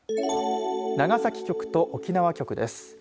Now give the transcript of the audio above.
長崎局と沖縄局です。